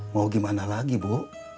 mau gimana lagi bu